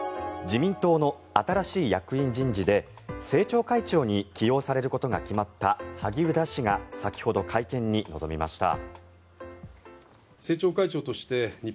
自民党の新しい役員人事で政調会長に起用されることが決まった萩生田氏が先ほど会見に臨みました。